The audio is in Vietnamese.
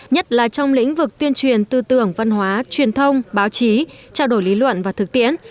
nhất là trong lĩnh vực tuyên truyền tư tưởng văn hóa truyền thông báo chí trao đổi lý luận và thực tiễn